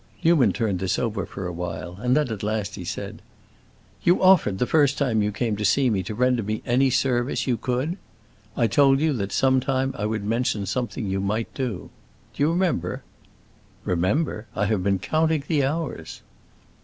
Newman turned this over for a while, and, then at last he said, "You offered, the first time you came to see me to render me any service you could. I told you that some time I would mention something you might do. Do you remember?" "Remember? I have been counting the hours."